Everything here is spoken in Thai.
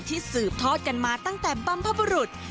สืบทอดกันมาตั้งแต่บรรพบุรุษ